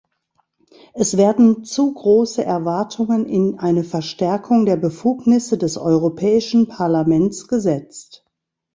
Es werden zu große Erwartungen in eine Verstärkung der Befugnisse des Europäischen Parlaments gesetzt.